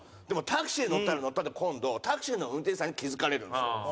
でもタクシー乗ったら乗ったで今度タクシーの運転手さんに気付かれるんですよ。